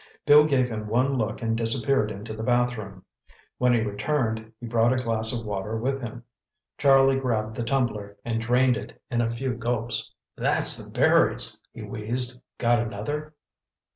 Bill gave him one look and disappeared into the bathroom. When he returned, he brought a glass of water with him. Charlie grabbed the tumbler and drained it in a few gulps. "That's the berries!" he wheezed. "Got another?"